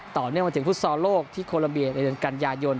ต่อเนื่องมาถึงฟุษศาลโลกที่โคลอัมเบียดในรันกันยายนต์